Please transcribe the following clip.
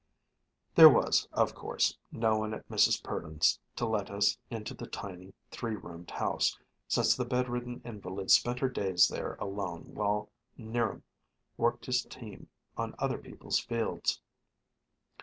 There was, of course, no one at Mrs. Purdon's to let us into the tiny, three roomed house, since the bedridden invalid spent her days there alone while 'Niram worked his team on other people's fields.